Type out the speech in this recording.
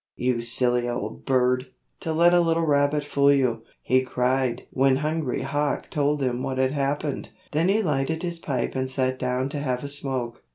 "You silly old bird, to let a little rabbit fool you," he cried when Hungry Hawk told him what had happened. Then he lighted his pipe and sat down to have a smoke.